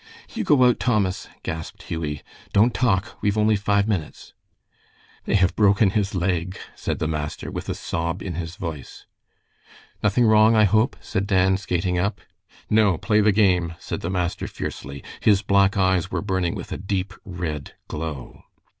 "You go out, Thomas," gasped Hughie. "Don't talk. We've only five minutes." "They have broken his leg," said the master, with a sob in his voice. "Nothing wrong, I hope," said Dan, skating up. "No; play the game," said the master, fiercely. His black eyes were burning with a deep, red glow.